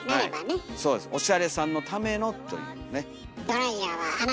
おしゃれさんのためのというね。